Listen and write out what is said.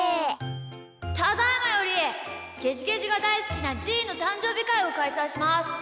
ただいまよりゲジゲジがだいすきなじーのたんじょうびかいをかいさいします。